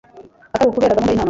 atari ukubera gahunda y'imana